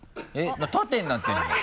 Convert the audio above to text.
縦になってるもん。